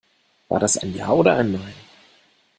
War das ein Ja oder ein Nein?